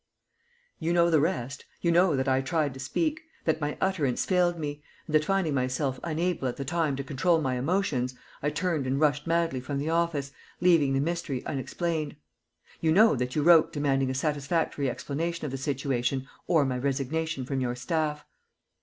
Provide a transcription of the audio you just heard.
_ You know the rest. You know that I tried to speak; that my utterance failed me; and that, finding myself unable at the time to control my emotions, I turned and rushed madly from the office, leaving the mystery unexplained. You know that you wrote demanding a satisfactory explanation of the situation or my resignation from your staff.